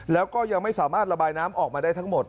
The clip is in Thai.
แล้วก็ยังไม่สามารถระบายน้ำออกมาได้ทั้งหมด